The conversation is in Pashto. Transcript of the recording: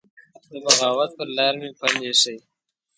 د بغاوت پر لار مي پل يښی